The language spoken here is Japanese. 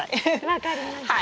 分かりました。